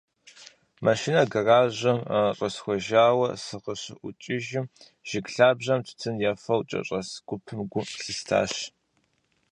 Машинэр гэражым щӏэсхуэжауэ сыкъыщыӏукӏыжым, жыг лъабжьэм тутын ефэу кӏэщӏэс гупым гу ялъыстащ.